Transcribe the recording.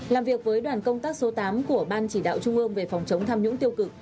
làm việc với đoàn công tác số tám của ban chỉ đạo trung ương về phòng chống tham nhũng tiêu cực